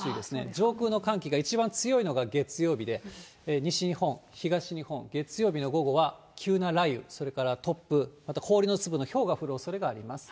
上空の寒気が一番強いのが月曜日で、西日本、東日本、月曜日の午後は急な雷雨、それから突風、また、氷の粒のひょうが降るおそれがあります。